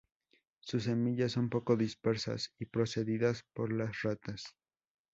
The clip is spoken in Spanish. Sus semillas son poco dispersas y precedidas por las ratas.